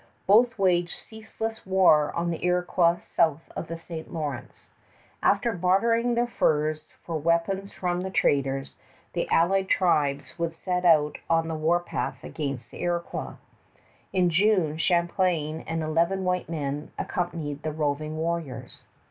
Both waged ceaseless war on the Iroquois south of the St. Lawrence. After bartering their furs for weapons from the traders, the allied tribes would set out on the warpath against the Iroquois. In June, Champlain and eleven white men accompanied the roving warriors.